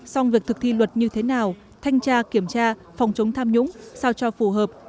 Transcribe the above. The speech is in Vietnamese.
song việc thực thi luật như thế nào thanh tra kiểm tra phòng chống tham nhũng sao cho phù hợp